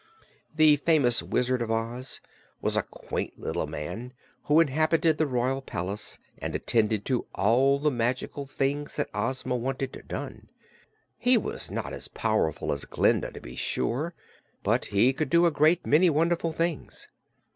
The famous Wizard of Oz was a quaint little man who inhabited the royal palace and attended to all the magical things that Ozma wanted done. He was not as powerful as Glinda, to be sure, but he could do a great many wonderful things.